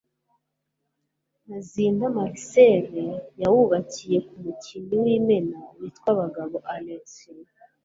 Ntazinda Marcel yawubakiye ku mukinnyi w'Imena witwa Bagabo Alex,